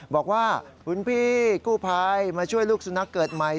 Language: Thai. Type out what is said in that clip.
บอกว่าคุณพี่กู้ภัยมาช่วยลูกสุนัขเกิดใหม่